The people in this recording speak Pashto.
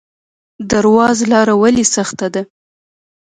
درواز لاره ولې سخته ده؟